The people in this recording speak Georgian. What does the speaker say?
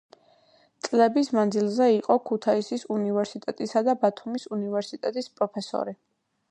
წლების მანძილზე იყო ქუთაისის უნივერსიტეტის და ბათუმის უნივერსიტეტის პროფესორი.